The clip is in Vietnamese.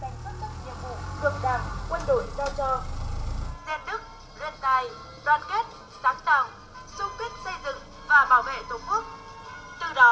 nên đức liên tài đoàn kết sáng tạo xung quyết xây dựng và bảo vệ tổ quốc